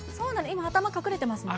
今、頭隠れていますね。